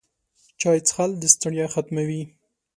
چای څښل د ستړیا ختموي